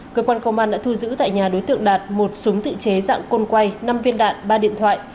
cơ quan công an đã thu giữ tại nhà đối tượng đạt một súng tự chế dạng côn quay năm viên đạn ba điện thoại